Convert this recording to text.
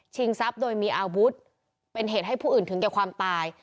ทรัพย์โดยมีอาวุธเป็นเหตุให้ผู้อื่นถึงแก่ความตาย